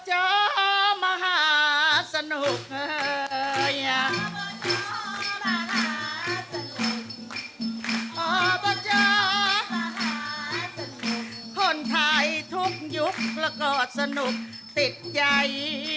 พ่อเจ้าประจำภาษามาศนุกร์คนไทยทุกยุคและสนุกติดใจ